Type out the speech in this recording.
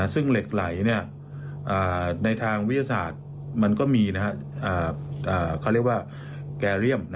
ซึ่งเหล็กไหลในทางวิทยาศาสตร์มันก็มีเขาเรียกว่าแกเรียม